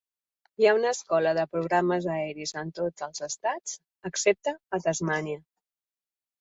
Hi ha una escola de programes aeris en tots els estats, excepte a Tasmània.